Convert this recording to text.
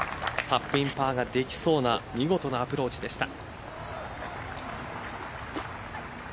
カップインパーができそうな見事なアプローチでした。